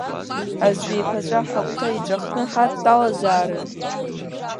Азҩа еиқәаҵәа ҳагәҭа иҵәахны ҳадтәалазаарын!